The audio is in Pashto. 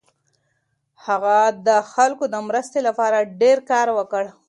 هغه د خلکو د مرستې لپاره ډېر کار وکړ.